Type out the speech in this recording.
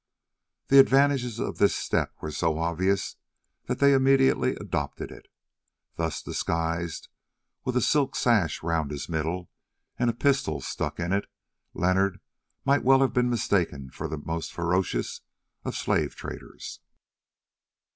The advantages of this step were so obvious that they immediately adopted it. Thus disguised, with a silk sash round his middle and a pistol stuck in it, Leonard might well have been mistaken for the most ferocious of slave traders.